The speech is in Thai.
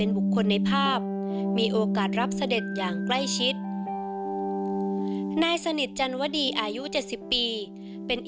บุคคลในภาพมีโอกาสรับเสด็จอย่างใกล้ชิดนายสนิทจันวดีอายุ๗๐ปีเป็น